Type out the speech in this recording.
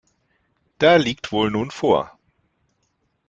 Der liegt wohl nun vor.